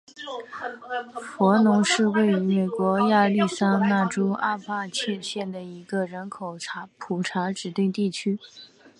弗农是位于美国亚利桑那州阿帕契县的一个人口普查指定地区。